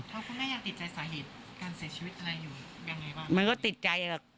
ครับคุณแม่ยังติดใจสาหิตการเสียชีวิตอะไรอยู่ยังไงบ้าง